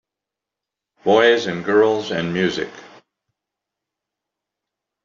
Boys and girls and music.